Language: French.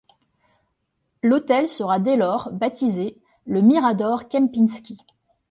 L'hôtel sera dès lors baptisé Le Mirador Kempinski.